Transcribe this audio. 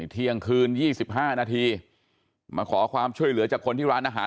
เที่ยงคืน๒๕นาทีมาขอความช่วยเหลือจากคนที่ร้านอาหาร